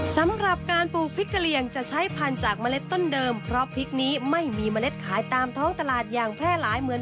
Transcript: สำหรับการปลูกพริกกะเหลี่ยงจะใช้พันธุ์จากเมล็ดต้นเดิมเพราะพริกนี้ไม่มีเมล็ดขายตามท้องตลาดอย่างแพร่หลายเหมือน